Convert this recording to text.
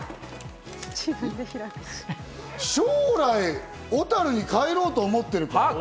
将来、小樽に帰ろうと思っているか？